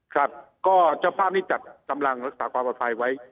ครับก็เจ้าภาพนี้จัดกำลังรักษาความปลอดภัยไว้